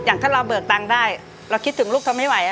ถ้าเราเบิกตังค์ได้เราคิดถึงลูกเขาไม่ไหว